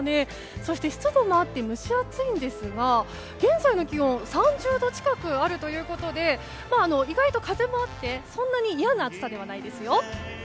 そして湿度があって蒸し暑いんですが現在の気温３０度近くあるということで意外と風もあってそんなに嫌な暑さではないです。